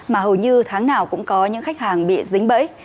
mà hầu như tháng nào cũng có những khách hàng bị dính bẫy